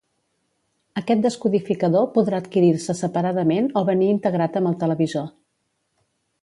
Aquest descodificador podrà adquirir-se separadament o venir integrat amb el televisor.